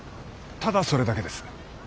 ただそれだけです。